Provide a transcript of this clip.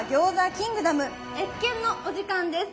キングダム謁見のお時間です。